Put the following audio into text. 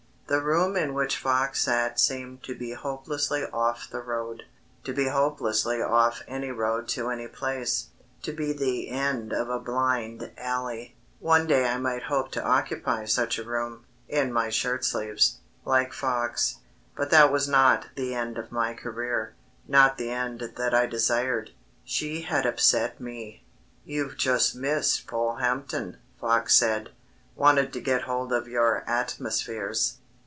The room in which Fox sat seemed to be hopelessly off the road to be hopelessly off any road to any place; to be the end of a blind alley. One day I might hope to occupy such a room in my shirt sleeves, like Fox. But that was not the end of my career not the end that I desired. She had upset me. "You've just missed Polehampton," Fox said; "wanted to get hold of your 'Atmospheres.'"